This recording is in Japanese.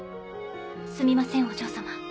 すみませんお嬢様。